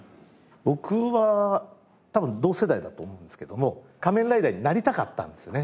僕は多分同世代だと思うんですけども仮面ライダーになりたかったんですよね